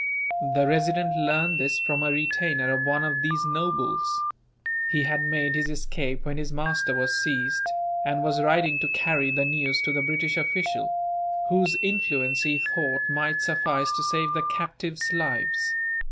The Resident learned this from a retainer of one of these nobles. He had made his escape when his master was seized, and was riding to carry the news to the British official; whose influence, he thought, might suffice to save the captives' lives.